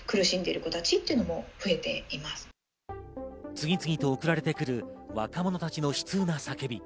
次々と送られてくる若者たちの悲痛な叫び。